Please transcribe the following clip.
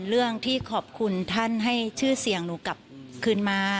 เรื่องที่ขอบคุณท่านให้ชื่อเสียงหนูกลับคืนมา